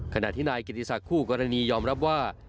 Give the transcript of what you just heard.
ขณะที่นายกิติศักดิ์คู่กรณียอมรับว่า